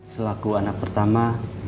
selaku anak pertama